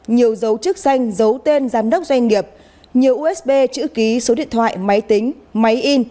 nhiều dấu chức danh dấu tên giám đốc doanh nghiệp nhiều usb chữ ký số điện thoại máy tính máy in